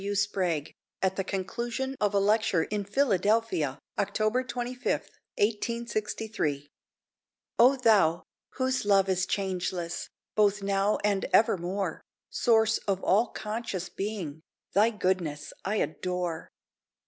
W. Sprague, at the conclusion of a lecture in Philadelphia, October 25, 1863.] O Thou, whose love is changeless, Both now and evermore; Source of all conscious being! Thy goodness I adore.